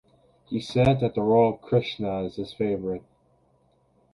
He said that the role of Krishna is his favorite.